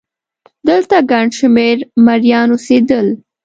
دلته ګڼ شمېر مریان اوسېدل